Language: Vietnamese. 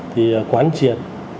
thì quán triệt